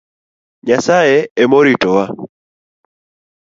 Nyasaye emoritowa.